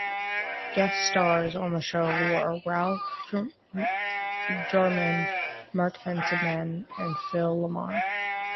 Guest stars on the show were Ralph Garman, Mark Hentemann and Phil LaMarr.